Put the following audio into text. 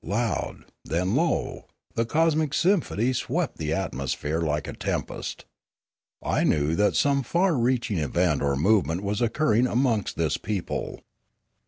Loud, then low, the cosmic symphony swept the amosphere like a tempest. I knew that some far reaching event or movement was occurring amongst this people.